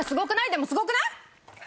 でもすごくない？